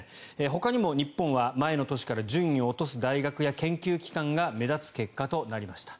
ほかにも日本は前の年から順位を落とす大学や研究機関が目立つ結果となりました。